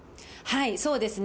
そうですね。